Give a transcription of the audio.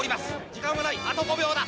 時間はない、あと５秒だ。